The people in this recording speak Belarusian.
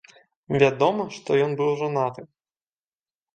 Вядома, што ён быў жанаты.